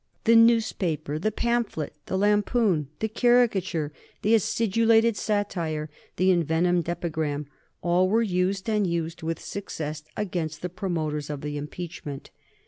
The newspaper, the pamphlet, the lampoon, the caricature, the acidulated satire, the envenomed epigram, all were used, and used with success, against the promoters of the impeachment.